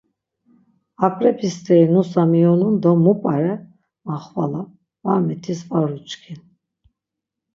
Aǩrep̌i steri nusa miyonun do mu p̌are ma xvala var mitis var uçkin.